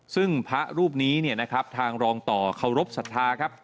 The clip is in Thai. ซึ่งพระรูปนี้เนี่ยนะครับทางรองต่อเคารพสัทธาครับ